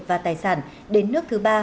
và tài sản đến nước thứ ba